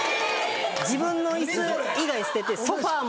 自分の椅子以外捨ててソファも捨てて。